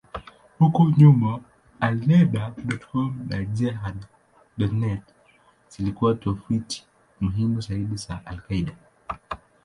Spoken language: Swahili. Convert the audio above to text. Huko nyuma, Alneda.com na Jehad.net zilikuwa tovuti muhimu zaidi za al-Qaeda.